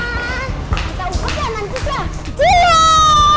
nanti aku ke jalan juga